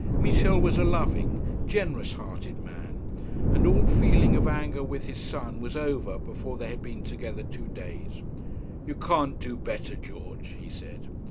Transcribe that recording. Michel was a loving, generous hearted man, and all feeling of anger with his son was over before they had been together two days. 'You can't do better, George,' he said.